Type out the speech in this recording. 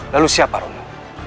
lalu siapa romo